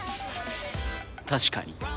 確かに。